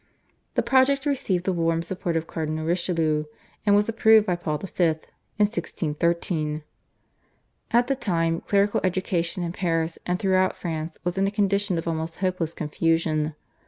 The project received the warm support of Cardinal Richelieu and was approved by Paul V. in 1613. At the time clerical education in Paris and throughout France was in a condition of almost hopeless confusion.